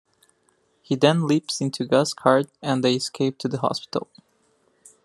He then leaps into Gus' cart, and they escape to the hospital.